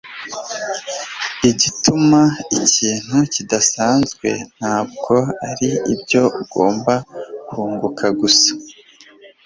Igituma ikintu kidasanzwe ntabwo ari ibyo ugomba kunguka gusa,